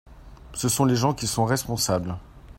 Ce sont les gens qui sont responsables.